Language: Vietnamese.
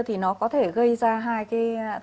thì nó có thể gây ra hai cái